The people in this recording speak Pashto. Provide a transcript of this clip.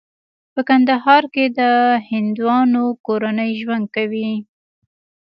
په کندهار کې د هندوانو کورنۍ ژوند کوي.